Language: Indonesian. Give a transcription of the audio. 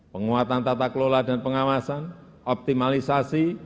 penguatan tata kelola dan pengawasan optimalisasi